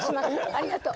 ありがとう。